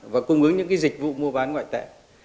và cung ứng những dịch vụ mua bán ngoại tệ